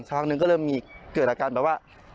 ครั้งหนึ่งก็เริ่มมีเกิดอาการแบบว่า